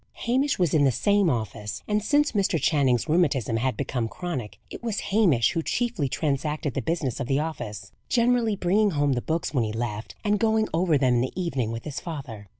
Hamish was in the same office; and since Mr. Channing's rheumatism had become chronic, it was Hamish who chiefly transacted the business of the office, generally bringing home the books when he left, and going over them in the evening with his father.